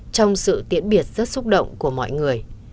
trong sự tiễn biệt rất xúc động của mọi người